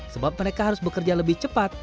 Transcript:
sebab mereka harus bekerja lebih cepat